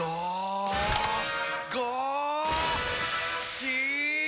し！